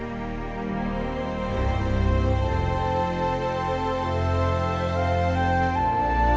aku suka erin lu mau beruruzu